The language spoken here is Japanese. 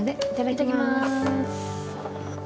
いただきます。